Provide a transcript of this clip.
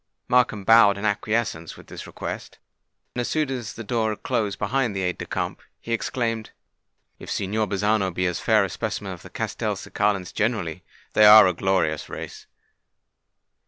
Markham bowed an acquiescence with this request; and, as soon as the door had closed behind the aide de camp, he exclaimed, "If Signor Bazzano be a fair specimen of the Castelcicalans generally, they are a glorious race!"